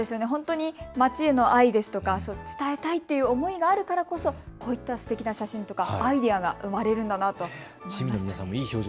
町への愛ですとか伝えたいという思いがあるからこそ、こういったすてきな写真やアイデアが生まれるんだなと思いました。